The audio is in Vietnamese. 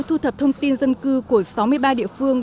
thu thập thông tin dân cư của sáu mươi ba địa phương